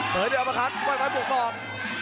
เสริมด้วยอัมภาคันไฟไฟกลัวคลอก